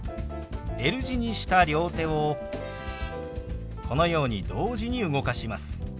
Ｌ字にした両手をこのように同時に動かします。